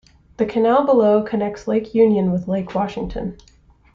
The canal below connects Lake Union with Lake Washington.